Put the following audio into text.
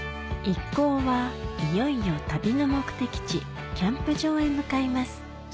一行はいよいよ旅の目的地キャンプ場へ向かいます